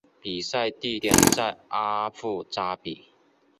比赛地点在阿布扎比。